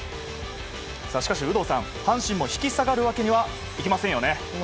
しかし有働さん阪神も引き下がるわけにはいきませんよね。